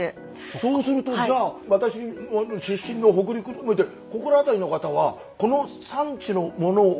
そうするとじゃあ私出身の北陸含めてここら辺りの方はこの産地のものを。